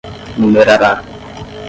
numerará